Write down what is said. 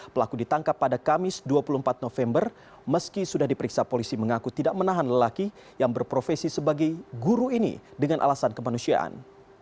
pelaku ditangkap pada kamis dua puluh empat november meski sudah diperiksa polisi mengaku tidak menahan lelaki yang berprofesi sebagai guru ini dengan alasan kemanusiaan